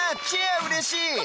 チェアうれしい！